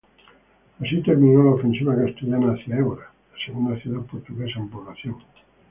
Así terminó la ofensiva castellana hacia Évora, la segunda ciudad portuguesa en población.